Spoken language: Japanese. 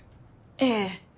ええ。